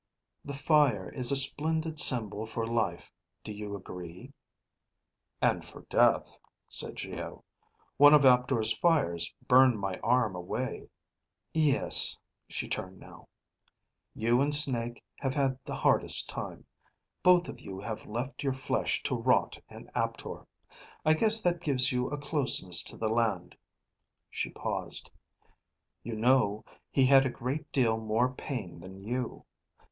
"The fire is a splendid symbol for life, do you agree?" "And for death," said Geo. "One of Aptor's fires burned my arm away." "Yes," she turned now. "You and Snake have had the hardest time. Both of you have left your flesh to rot in Aptor. I guess that gives you a closeness to the land." She paused. "You know, he had a great deal more pain than you.